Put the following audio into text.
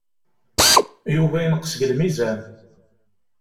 Yuba yenqes deg lmizan.